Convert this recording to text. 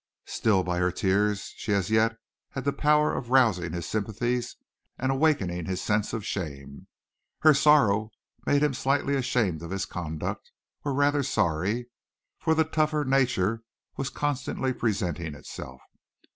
Still by her tears she as yet had the power of rousing his sympathies and awakening his sense of shame. Her sorrow made him slightly ashamed of his conduct or rather sorry, for the tougher nature was constantly presenting itself.